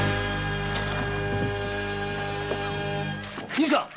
兄さん。